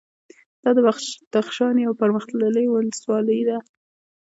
دا د بدخشان یوه پرمختللې ولسوالي ده